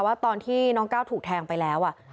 ว่าตอนที่น้องก้าวถูกแทงไปแล้ว